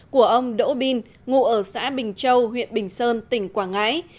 của ông đỗ bin ngụ ở xã bình châu huyện bình sơn tỉnh quảng ngãi